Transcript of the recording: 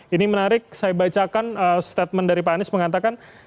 ini menarik saya bacakan statement dari pak anies mengatakan